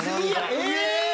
⁉え